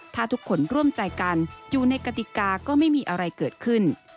ถ้าทุกคนร่วมใจกันอยู่ในกติกาก็ไม่มีอะไรเกิดขึ้น